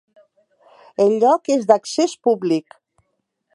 El lloc és d'accés públic.